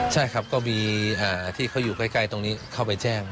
ใช่ครับก็มีที่เขาอยู่ใกล้ตรงนี้เข้าไปแจ้ง